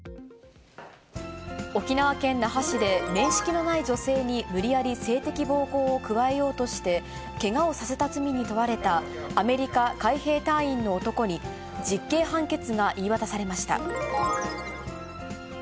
沖縄県那覇市で面識のない女性に無理やり性的暴行を加えようとして、けがをさせた罪に問われたアメリカ海兵隊員の男に、実刑判決が言い渡されました。